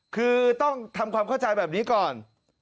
คือต้องทำความเข้าใจแบบนี้ก่อน